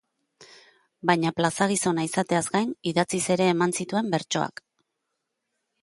Baina plaza-gizona izateaz gain, idatziz ere eman zituen bertsoak.